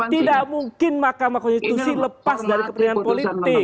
tidak mungkin mahkamah konstitusi lepas dari kepentingan politik